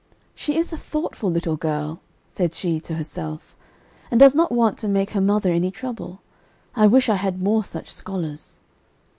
"She is a thoughtful little girl," said she to herself, "and does not want to made her mother any trouble. I wish I had more such scholars."